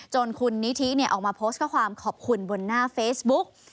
คุณนิธิออกมาโพสต์ข้อความขอบคุณบนหน้าเฟซบุ๊ก